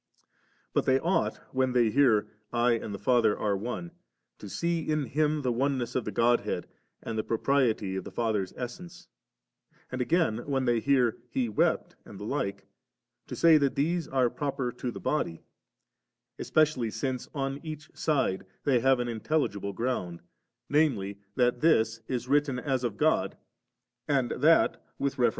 56. But they ought, when they hear * I and the Father are one,' to see in Him the oneness of the Godhead and the propriety of the Father's Essence; and again when they hear, ' He wept ' and the like, to say that these are proper to the body ; especially since on each side they have an intelligible ground, viz. that this is written as of God and that with reference s lb.